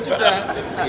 tanyakan ke dia